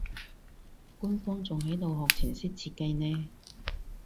官方仲喺度學程式設計呢